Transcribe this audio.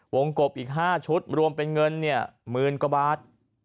วงกบอีก๕ชุดรวมเป็นเงิน๑๐๐๐๐กว่าบาท